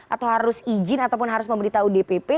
atau harus izin ataupun harus memberitahu dpp